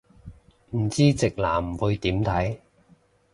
唔知直男會點睇